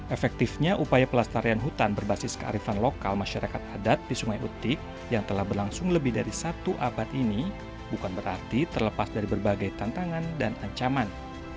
efektifnya upaya pelestarian hutan berbasis kearifan lokal masyarakat adat di sungai utik yang telah berlangsung lebih dari satu abad ini bukan berarti terlepas dari berbagai tantangan dan ancaman